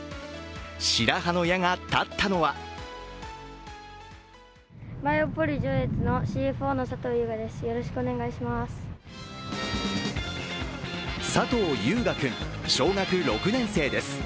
白羽の矢が立ったのは佐藤悠雅君、小学６年生です。